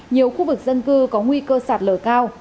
nhiều khu vực dân cư có nguy cơ sạt lở cao